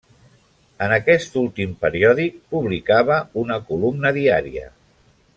En aquest últim periòdic publicava una columna diària.